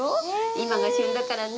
今が旬だからね。